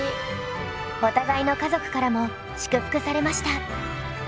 お互いの家族からも祝福されました。